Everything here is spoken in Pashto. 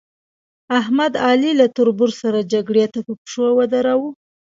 احمد؛ علي له تربرو سره جګړې ته په پشو ودراوو.